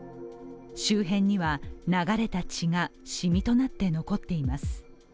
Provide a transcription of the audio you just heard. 周辺には流れた血がしみとなって残っています。